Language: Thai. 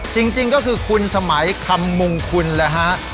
จริงก็คือคุณสมัยคำมงคุณนะฮะ